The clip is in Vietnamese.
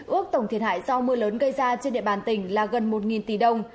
ước tổng thiệt hại do mưa lớn gây ra trên địa bàn tỉnh là gần một tỷ đồng